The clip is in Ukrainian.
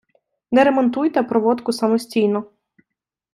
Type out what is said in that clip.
Не ремонтуйте проводку самостійно.